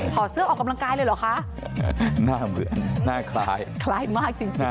หน้ามือหน้าคลายคลายมากจริง